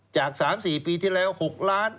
จาก๓๔ปีที่แล้ว๖ล้าน